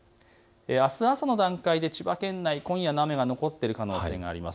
あす朝の段階で千葉県内、今夜の雨が残っている可能性があります。